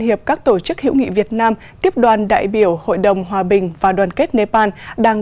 hiệp các tổ chức hữu nghị việt nam tiếp đoàn đại biểu hội đồng hòa bình và đoàn kết nepal đang